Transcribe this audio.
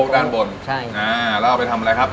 แล้วเอาไปทำอะไรครับ